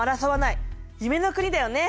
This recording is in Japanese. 夢の国だよね！